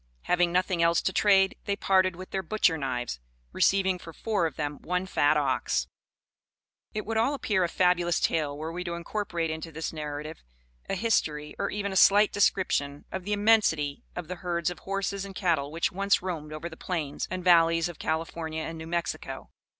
Having nothing else to trade, they parted with their butcher knives, receiving for four of them one fat ox. It would all appear a fabulous tale, were we to incorporate into this narrative a history, or even a slight description of the immensity of the herds of horses and cattle which once roamed over the plains and valleys of California and New Mexico.